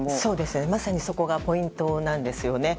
まさにそこがポイントなんですよね。